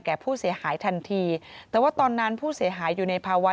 ผู้เสียหายทันทีแต่ว่าตอนนั้นผู้เสียหายอยู่ในภาวะ